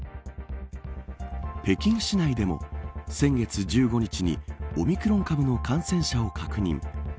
北京市内でも先月１５日にオミクロン株の感染者を確認。